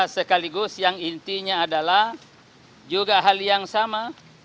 sekaligus yang intinya adalah juga hal yang sama